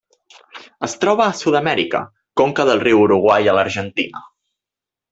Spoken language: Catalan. Es troba a Sud-amèrica: conca del riu Uruguai a l'Argentina.